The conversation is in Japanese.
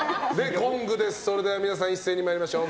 それでは皆さん一斉に参りましょう。